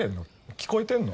聞こえてんの？